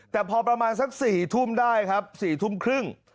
แต่พอประมาณสัก๔ทุ่มได้ครับ๔ทุ่มครึ่ง